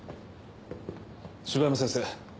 柴山先生。